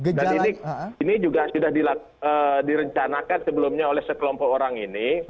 dan ini juga sudah direncanakan sebelumnya oleh sekelompok orang ini